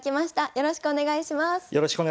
よろしくお願いします。